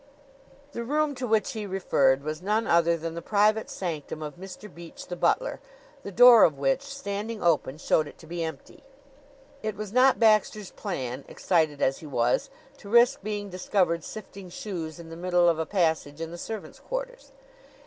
The room to which he referred was none other than the private sanctum of Mr. Beach, the butler, the door of which, standing open, showed it to be empty. It was not Baxter's plan, excited as he was, to risk being discovered sifting shoes in the middle of a passage in the servants' quarters.